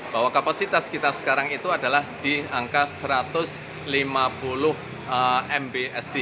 bahwa kapasitas kita sekarang itu adalah di angka satu ratus lima puluh mbsd